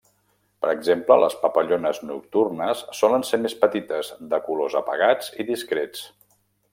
Per exemple, les papallones nocturnes solen ser més petites, de colors apagats i discrets.